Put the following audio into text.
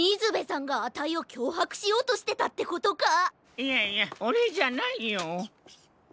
いやいやオレじゃないよ。